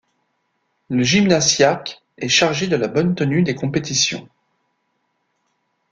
Le gymnasiarque est chargé de la bonne tenue des compétitions.